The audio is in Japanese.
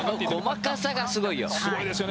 細かさがすごいよ。